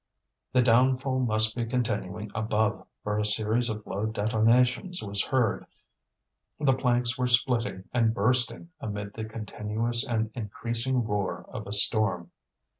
The downfall must be continuing above, for a series of low detonations was heard, the planks were splitting and bursting amid the continuous and increasing roar of a storm.